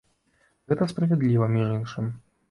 І гэта справядліва, між іншым.